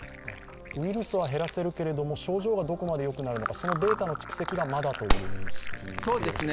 ウイルスは減らせるけれども症状はどこまでよくなるのかそのデータの蓄積がまだということですか？